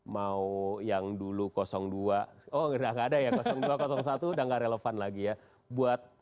mau yang dulu dua oh udah gak ada ya dua satu udah gak relevan lagi ya